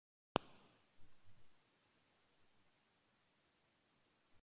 عند الجبال من كثيب زرود